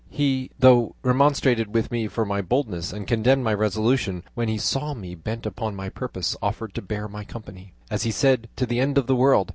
He, though he remonstrated with me for my boldness, and condemned my resolution, when he saw me bent upon my purpose, offered to bear me company, as he said, to the end of the world.